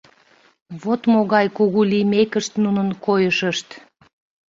Вот могай кугу лиймекышт нунын койышышт.